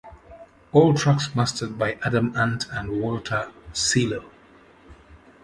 All tracks mastered by Adam Ant and Walter Coelho.